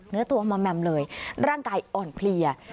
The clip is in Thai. เนื้อตัวมอมแมมเลยร่างกายอ่อนเพลีย